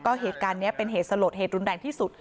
ก็เหตุการณ์นี้เป็นเหตุสลดเหตุรุนแรงที่สุด